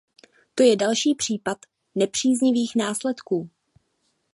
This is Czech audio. To je další příklad nepříznivých následků!